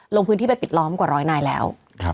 ลงพื้นที่ไปปิดล้อมกว่าร้อยนายแล้ว